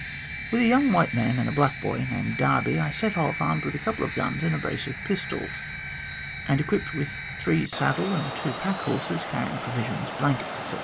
With a young white man and a black boy, named Darby, I set off, armed with a couple of guns and a brace of pistols, and equipped with three saddle and two pack horses carrying provisions, blankets, etc.